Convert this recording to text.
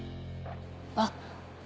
あっ。